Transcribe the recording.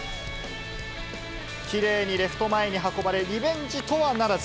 きれいにレフト前に運ばれリベンジとはならず。